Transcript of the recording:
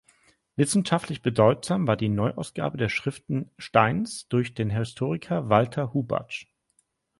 Wissenschaftlich bedeutsam war die Neuausgabe der Schriften Steins durch den Historiker Walther Hubatsch.